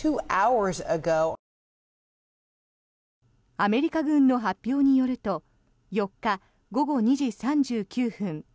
アメリカ軍の発表によると４日午後２時３９分